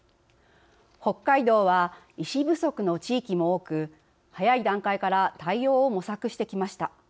北海道は医師不足の地域も多く早い段階から対応を模索してきました。